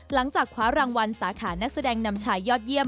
หลังจากคว้ารางวัลสาขานักแสดงนำชายยอดเยี่ยม